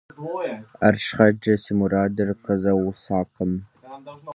АрщхьэкӀэ си мурадыр къызэхъулӀакъым.